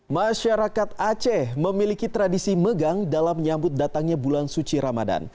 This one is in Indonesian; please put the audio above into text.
masyarakat aceh memiliki tradisi megang dalam menyambut datangnya bulan suci ramadan